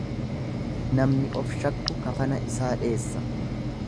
Namni of shakku kafana isaa dheessa.